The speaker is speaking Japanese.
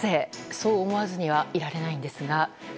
そう思わずにはいられないんですが。